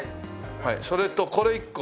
それとこれ１個。